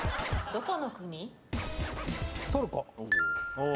どこの国？